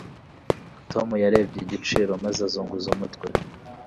Tom yarebye igiciro maze azunguza umutwe.